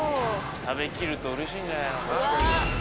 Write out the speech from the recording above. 食べきるとうれしいんじゃないの。